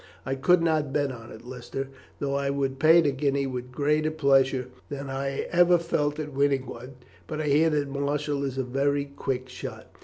"I could not bet on it, Lister, though I would pay the guinea with greater pleasure than I ever felt at winning one; but I hear that Marshall is a very quick shot."